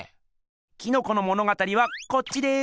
キノコの物語はこっちです。